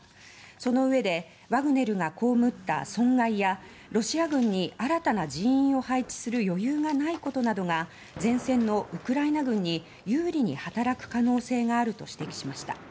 そのうえでワグネルが被った損害やロシア軍に新たな人員を配置する余裕がないことなどが前線のウクライナ軍に有利に働く可能性があると指摘しました。